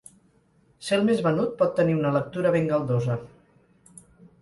Ser el més venut pot tenir una lectura ben galdosa.